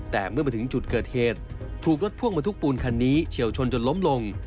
แต่เมื่อมาถึงจุดเกิดเหตุถูกรถพ่วงมาทุกปูนคันนี้เฉียวชนจนล้มลง